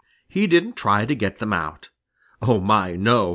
He didn't try to get them out. Oh, my, no!